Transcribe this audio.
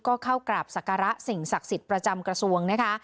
ก็เข้ากราบศักระสิ่งศักดิ์สิทธิ์ประจำกระทรวงนะคะ